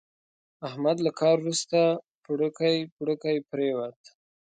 احمد له کار ورسته پړوکی پړوکی پرېوت.